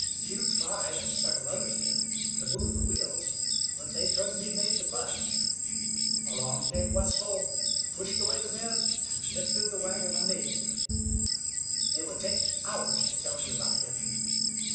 Hugh tried, as several others did, to move the wheels; but they couldn't be made to budge. Along came Wetzel, pushed away the men, and lifted the wagon unaided. It would take hours to tell you about him.